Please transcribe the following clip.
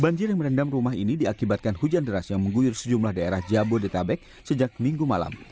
banjir yang merendam rumah ini diakibatkan hujan deras yang mengguyur sejumlah daerah jabodetabek sejak minggu malam